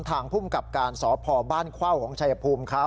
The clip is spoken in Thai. ทางภูมิกับการสพบ้านเข้าของชายภูมิเขา